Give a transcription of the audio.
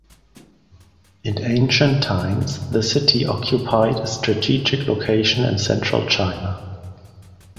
In ancient times, the city occupied a strategic location in central China.